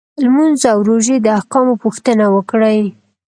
لمونځ او روژې د احکامو پوښتنه وکړي.